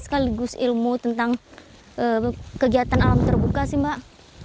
sekaligus ilmu tentang kegiatan alam terbuka sih mbak